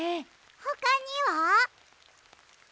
ほかには？